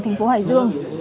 thành phố hải dương